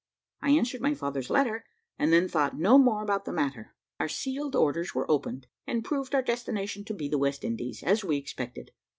I answered my father's letter, and then thought no more about the matter. Our sealed orders were opened, and proved our destination to be the West Indies, as we expected.